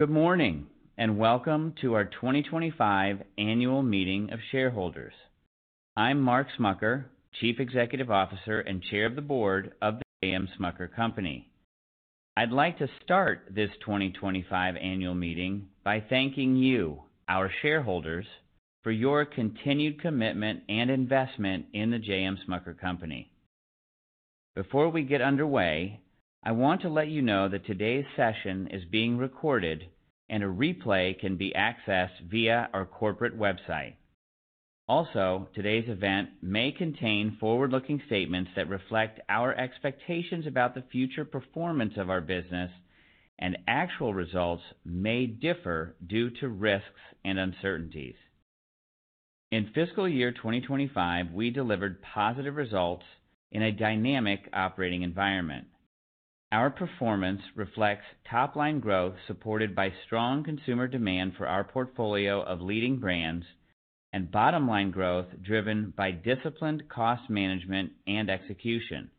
Good morning and welcome to our 2025 Annual Meeting of Shareholders. I'm Mark Smucker, Chief Executive Officer and Chair of the Board of The J.M. Smucker Company. I'd like to start this 2025 Annual Meeting by thanking you, our shareholders, for your continued commitment and investment in The J.M. Smucker Company. Before we get underway, I want to let you know that today's session is being recorded and a replay can be accessed via our corporate website. Also, today's event may contain forward-looking statements that reflect our expectations about the future performance of our business, and actual results may differ due to risks and uncertainties. In fiscal year 2025, we delivered positive results in a dynamic operating environment. Our performance reflects top-line growth supported by strong consumer demand for our portfolio of leading brands and bottom-line growth driven by disciplined cost management and execution.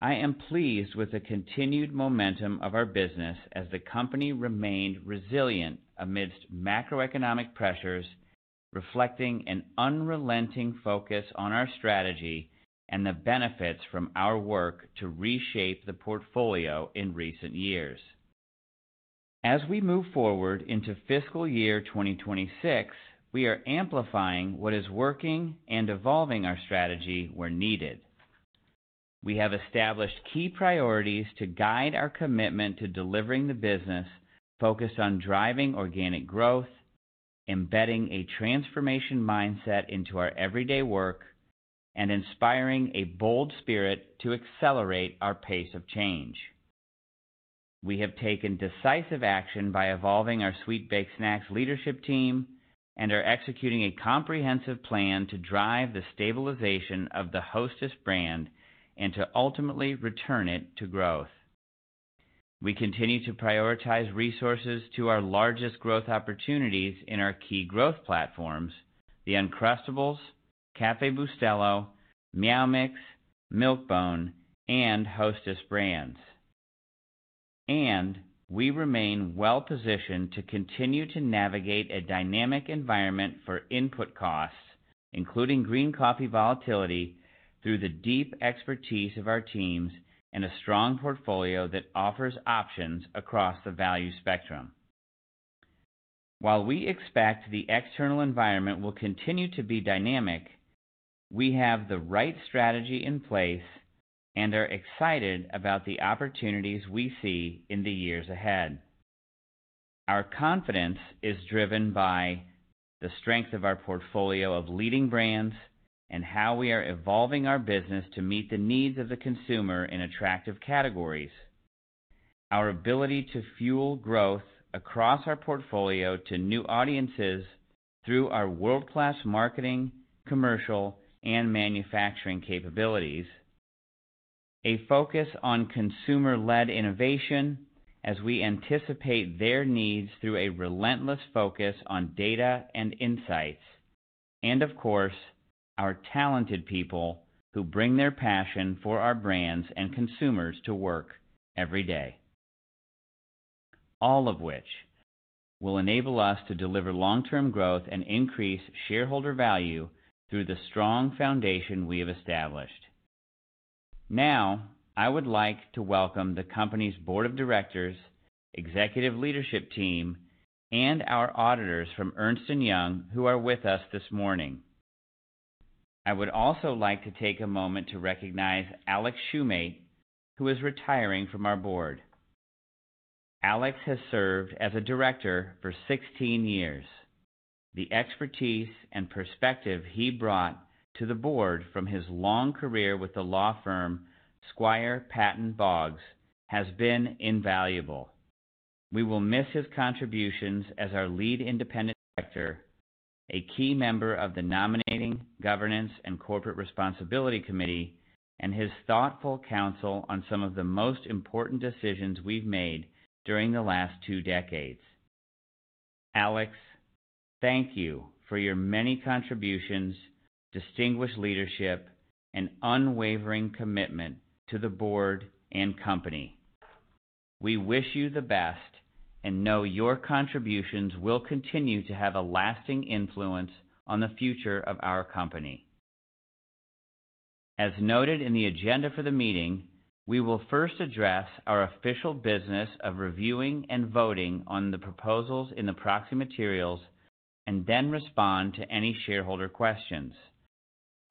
I am pleased with the continued momentum of our business as the company remained resilient amidst macroeconomic pressures, reflecting an unrelenting focus on our strategy and the benefits from our work to reshape the portfolio in recent years. As we move forward into fiscal year 2026, we are amplifying what is working and evolving our strategy where needed. We have established key priorities to guide our commitment to delivering the business, focused on driving organic growth, embedding a transformation mindset into our everyday work, and inspiring a bold spirit to accelerate our pace of change. We have taken decisive action by evolving our sweet baked snacks leadership team and are executing a comprehensive plan to drive the stabilization of the Hostess Brand and to ultimately return it to growth. We continue to prioritize resources to our largest growth opportunities in our key growth platforms: Uncrustables, Café Bustelo, Meow Mix, Milk-Bone, and Hostess Brands. We remain well-positioned to continue to navigate a dynamic environment for input costs, including green coffee volatility, through the deep expertise of our teams and a strong portfolio that offers options across the value spectrum. While we expect the external environment will continue to be dynamic, we have the right strategy in place and are excited about the opportunities we see in the years ahead. Our confidence is driven by the strength of our portfolio of leading brands and how we are evolving our business to meet the needs of the consumer in attractive categories. Our ability to fuel growth across our portfolio to new audiences through our world-class marketing, commercial, and manufacturing capabilities. A focus on consumer-led innovation as we anticipate their needs through a relentless focus on data and insights. Of course, our talented people who bring their passion for our brands and consumers to work every day. All of which will enable us to deliver long-term growth and increase shareholder value through the strong foundation we have established. Now, I would like to welcome the company's Board of Directors, Executive Leadership Team, and our auditors from Ernst & Young who are with us this morning. I would also like to take a moment to recognize Alex Shumate, who is retiring from our Board. Alex has served as a director for 16 years. The expertise and perspective he brought to the Board from his long career with the law firm Squire Patton Boggs has been invaluable. We will miss his contributions as our Lead Independent Director, a key member of the Nominating Governance and Corporate Responsibility Committee, and his thoughtful counsel on some of the most important decisions we've made during the last two decades. Alex, thank you for your many contributions, distinguished leadership, and unwavering commitment to the Board and company. We wish you the best and know your contributions will continue to have a lasting influence on the future of our company. As noted in the agenda for the meeting, we will first address our official business of reviewing and voting on the proposals in the proxy materials and then respond to any shareholder questions.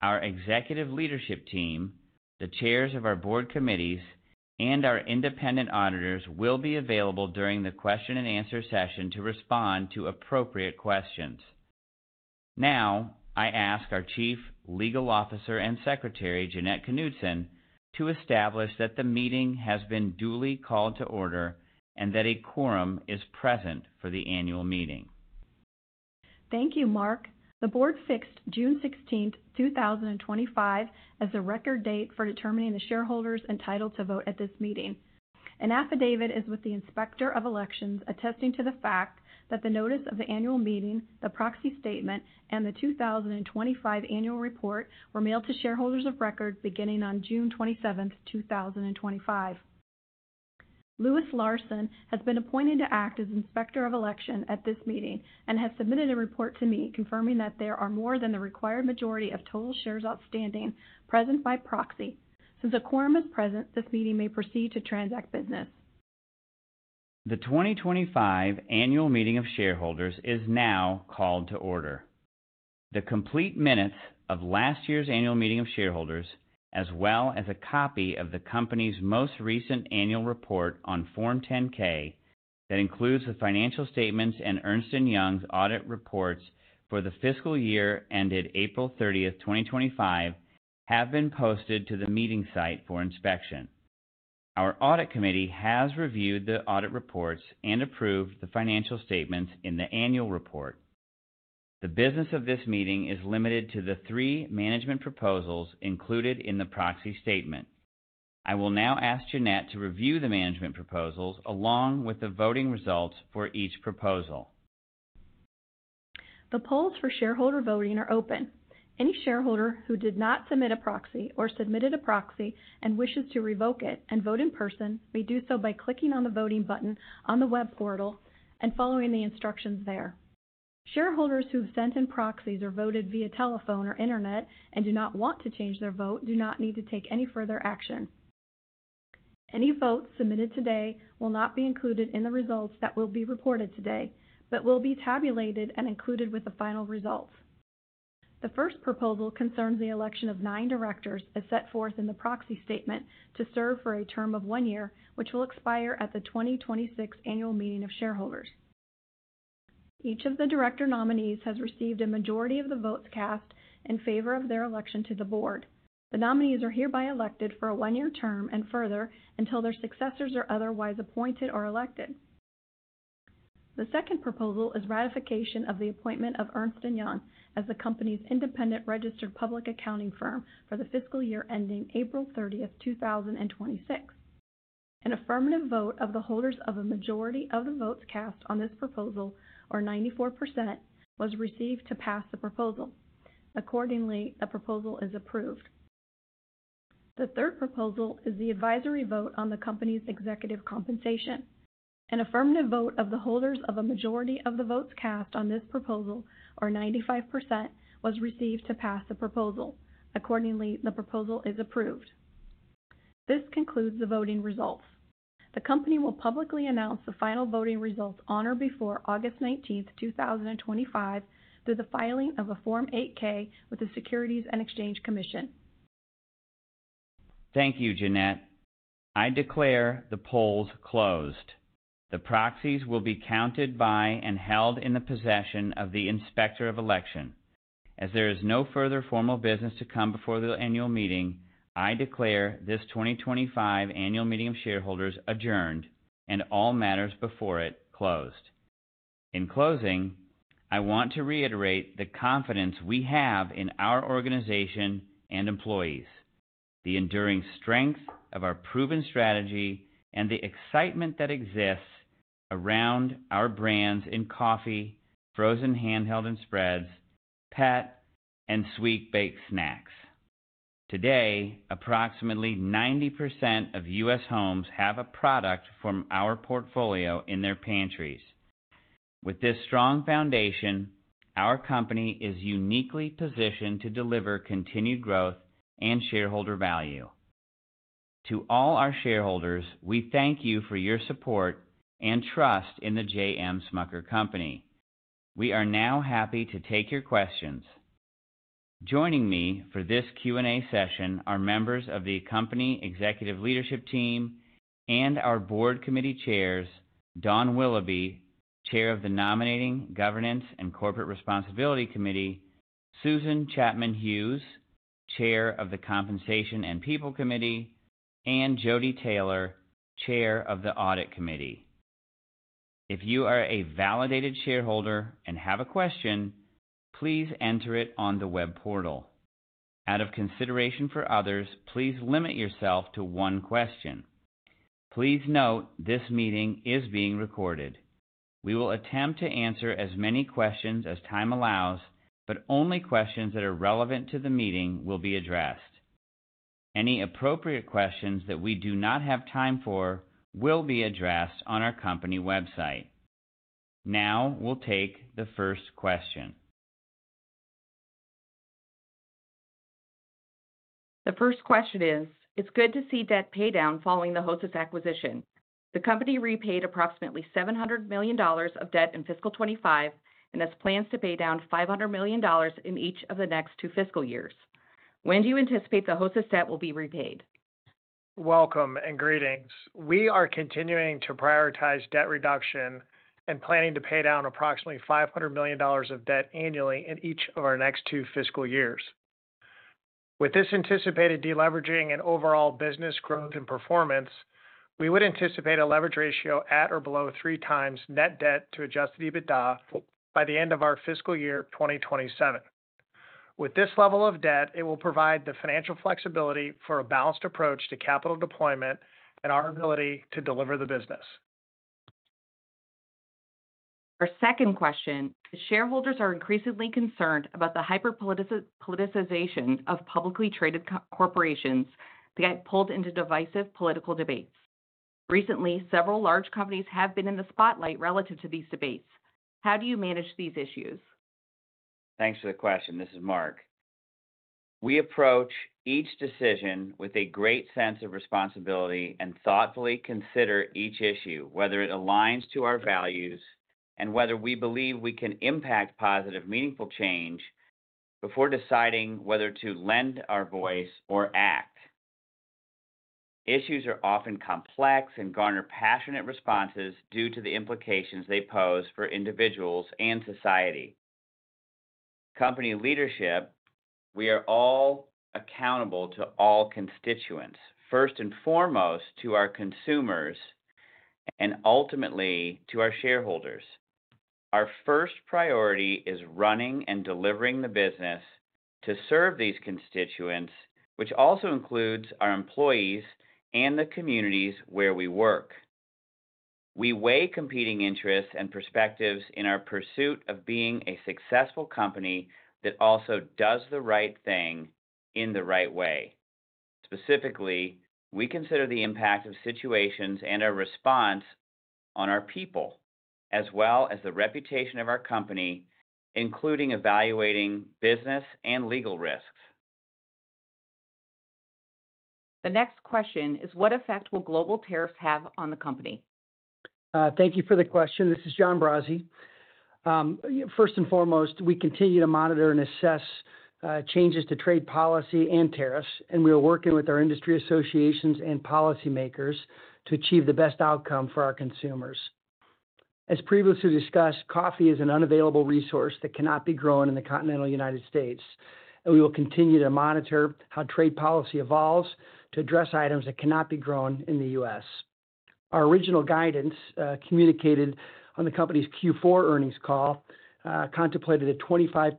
Our Executive Leadership Team, the chairs of our Board committees, and our independent auditors will be available during the question and answer session to respond to appropriate questions. Now, I ask our Chief Legal Officer and Secretary Jeannette Knudsen to establish that the meeting has been duly called to order and that a quorum is present for the annual meeting. Thank you, Mark. The Board fixed June 16, 2025, as the record date for determining the shareholders entitled to vote at this meeting. An affidavit is with the Inspector of Elections attesting to the fact that the notice of the annual meeting, the proxy statement, and the 2025 annual report were mailed to shareholders of record beginning on June 27, 2025. Louis Larson has been appointed to act as Inspector of Election at this meeting and has submitted a report to me confirming that there are more than the required majority of total shares outstanding present by proxy. Since a quorum is present, this meeting may proceed to transact business. The 2025 Annual Meeting of Shareholders is now called to order. The complete minutes of last year's Annual Meeting of Shareholders, as well as a copy of the company's most recent annual report on Form 10-K that includes the financial statements and Ernst & Young's audit reports for the fiscal year ended April 30th, 2025, have been posted to the meeting site for inspection. Our Audit Committee has reviewed the audit reports and approved the financial statements in the annual report. The business of this meeting is limited to the three management proposals included in the proxy statement. I will now ask Jeannette to review the management proposals along with the voting results for each proposal. The polls for shareholder voting are open. Any shareholder who did not submit a proxy or submitted a proxy and wishes to revoke it and vote in person may do so by clicking on the voting button on the web portal and following the instructions there. Shareholders who have sent in proxies or voted via telephone or internet and do not want to change their vote do not need to take any further action. Any votes submitted today will not be included in the results that will be reported today, but will be tabulated and included with the final results. The first proposal concerns the election of nine directors as set forth in the proxy statement to serve for a term of one year, which will expire at the 2026 Annual Meeting of Shareholders. Each of the director nominees has received a majority of the votes cast in favor of their election to the Board. The nominees are hereby elected for a one-year term and further until their successors are otherwise appointed or elected. The second proposal is ratification of the appointment of Ernst & Young as the company's independent registered public accounting firm for the fiscal year ending April 30, 2026. An affirmative vote of the holders of a majority of the votes cast on this proposal, or 94%, was received to pass the proposal. Accordingly, the proposal is approved. The third proposal is the advisory vote on the company's executive compensation. An affirmative vote of the holders of a majority of the votes cast on this proposal, or 95%, was received to pass the proposal. Accordingly, the proposal is approved. This concludes the voting results. The company will publicly announce the final voting results on or before August 19, 2025, through the filing of a Form 8-K with the Securities and Exchange Commission. Thank you, Jeannette. I declare the polls closed. The proxies will be counted by and held in the possession of the Inspector of Election. As there is no further formal business to come before the annual meeting, I declare this 2025 Annual Meeting of Shareholders adjourned and all matters before it closed. In closing, I want to reiterate the confidence we have in our organization and employees, the enduring strength of our proven strategy, and the excitement that exists around our brands in coffee, frozen handheld and spreads, pet, and sweet-baked snacks. Today, approximately 90% of U.S. homes have a product from our portfolio in their pantries. With this strong foundation, our company is uniquely positioned to deliver continued growth and shareholder value. To all our shareholders, we thank you for your support and trust in The J.M. Smucker Company. We are now happy to take your questions. Joining me for this Q&A session are members of the company executive leadership team and our board committee chairs, Dawn Willoughby, Chair of the Nominating Governance and Corporate Responsibility Committee, Susan Chapman-Hughes, Chair of the Compensation and People Committee, and Jodi Taylor, Chair of the Audit Committee. If you are a validated shareholder and have a question, please enter it on the web portal. Out of consideration for others, please limit yourself to one question. Please note this meeting is being recorded. We will attempt to answer as many questions as time allows, but only questions that are relevant to the meeting will be addressed. Any appropriate questions that we do not have time for will be addressed on our company website. Now we'll take the first question. The first question is, it's good to see debt pay down following the Hostess acquisition. The company repaid approximately $700 million of debt in fiscal 2025 and has plans to pay down $500 million in each of the next two fiscal years. When do you anticipate the Hostess debt will be repaid? Welcome and greetings. We are continuing to prioritize debt reduction and planning to pay down approximately $500 million of debt annually in each of our next two fiscal years. With this anticipated deleveraging and overall business growth and performance, we would anticipate a leverage ratio at or below 3x net debt to adjusted EBITDA by the end of our fiscal year 2027. With this level of debt, it will provide the financial flexibility for a balanced approach to capital deployment and our ability to deliver the business. Our second question is, shareholders are increasingly concerned about the hyperpoliticization of publicly traded corporations that get pulled into divisive political debates. Recently, several large companies have been in the spotlight relative to these debates. How do you manage these issues? Thanks for the question. This is Mark. We approach each decision with a great sense of responsibility and thoughtfully consider each issue, whether it aligns to our values and whether we believe we can impact positive, meaningful change before deciding whether to lend our voice or act. Issues are often complex and garner passionate responses due to the implications they pose for individuals and society. Company leadership, we are all accountable to all constituents, first and foremost to our consumers and ultimately to our shareholders. Our first priority is running and delivering the business to serve these constituents, which also includes our employees and the communities where we work. We weigh competing interests and perspectives in our pursuit of being a successful company that also does the right thing in the right way. Specifically, we consider the impact of situations and our response on our people, as well as the reputation of our company, including evaluating business and legal risks. The next question is, what effect will global tariffs have on the company? Thank you for the question. This is John Brase. First and foremost, we continue to monitor and assess changes to trade policy and tariffs, and we are working with our industry associations and policymakers to achieve the best outcome for our consumers. As previously discussed, coffee is an unavailable resource that cannot be grown in the continental U.S., and we will continue to monitor how trade policy evolves to address items that cannot be grown in the U.S. Our original guidance communicated on the company's Q4 earnings call contemplated a 25%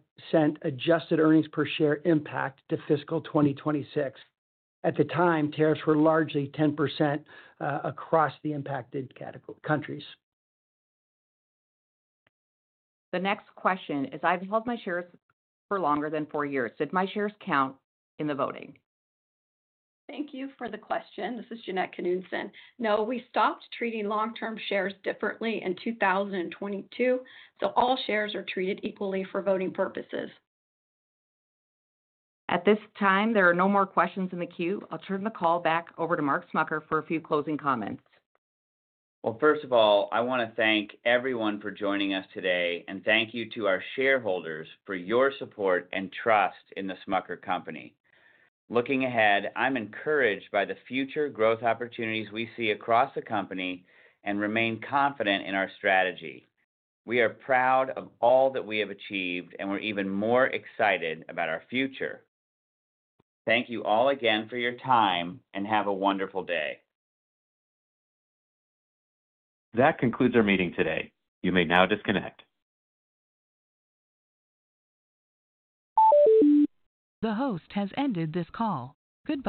adjusted earnings per share impact to fiscal 2026. At the time, tariffs were largely 10% across the impacted countries. The next question is, I've held my shares for longer than four years. Did my shares count in the voting? Thank you for the question. This is Jeannette Knudsen. No, we stopped treating long-term shares differently in 2022. All shares are treated equally for voting purposes. At this time, there are no more questions in the queue. I'll turn the call back over to Mark Smucker for a few closing comments. First of all, I want to thank everyone for joining us today, and thank you to our shareholders for your support and trust in The Smucker Company. Looking ahead, I'm encouraged by the future growth opportunities we see across the company and remain confident in our strategy. We are proud of all that we have achieved, and we're even more excited about our future. Thank you all again for your time, and have a wonderful day. That concludes our meeting today. You may now disconnect. The host has ended this call. Goodbye.